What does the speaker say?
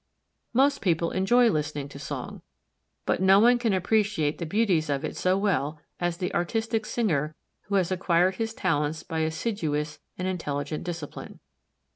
Most people enjoy listening to song, but no one can appreciate the beauties of it so well as the artistic singer who has acquired his talents by assiduous and intelligent discipline.